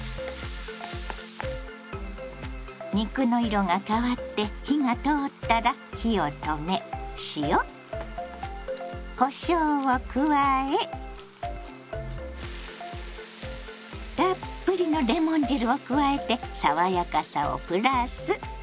肉の色が変わって火が通ったら火を止め塩こしょうを加えたっぷりのレモン汁を加えて爽やかさをプラス。